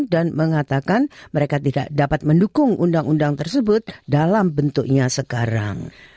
dan mengatakan mereka tidak dapat mendukung undang undang tersebut dalam bentuknya sekarang